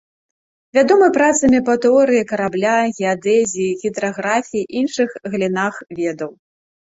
Вядомы працамі па тэорыі карабля, геадэзіі, гідраграфіі і іншых галінах ведаў.